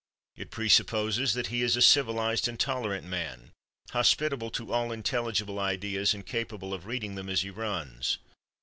It presupposes that he is a civilized and tolerant man, hospitable to all intelligible ideas and capable of reading them as he runs.